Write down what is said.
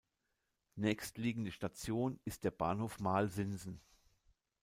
Nächstliegende Station ist der Bahnhof Marl-Sinsen.